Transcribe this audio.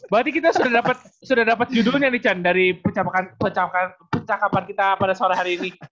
berarti kita sudah dapat sudah dapat judulnya nih chandra dari percakapan percakapan kita pada sore hari ini